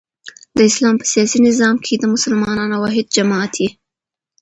د اسلام په سیاسي نظام کښي د مسلمانانو واحد جماعت يي.